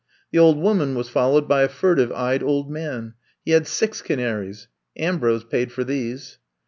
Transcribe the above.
The old woman was followed by a fur tive eyed old man. He had six canaries. Ambrose paid for these.